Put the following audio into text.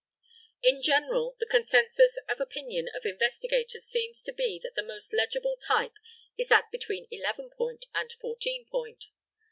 In general, the consensus of opinion of investigators seems to be that the most legible type is that between eleven point and fourteen point.